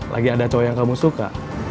lagi ada cowok yang kamu suka